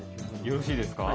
よろしいですか。